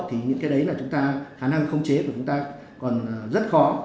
thì những cái đấy là chúng ta khả năng không chế của chúng ta còn rất khó